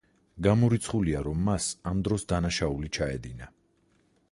გამორიცხულია, რომ მას ამ დროს დანაშაული ჩაედინა.